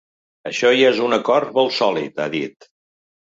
Això ja és un acord molt sòlid, ha dit.